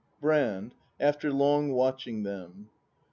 Brand. [After long watching them.